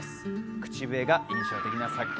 口笛が印象的な作品。